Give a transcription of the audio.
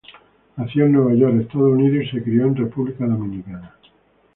Nació en Nueva York, Estados Unidos, y se crió en República Dominicana.